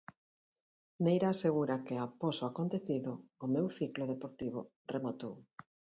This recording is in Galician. Neira asegura que após o acontecido "o meu ciclo deportivo rematou".